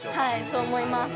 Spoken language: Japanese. そう思います。